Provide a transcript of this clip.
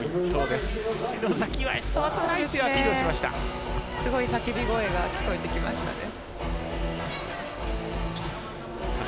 すごい叫び声が聞こえてきましたね。